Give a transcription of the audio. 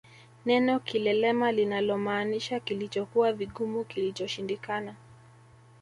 Neno kilelema linalomaanisha kilichokuwa vigumu kilichoshindikana